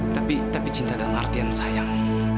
tapi tapi cinta dalam artian sayang